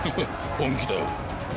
本気だよ。